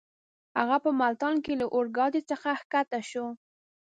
هغه په ملتان کې له اورګاډۍ څخه کښته شو.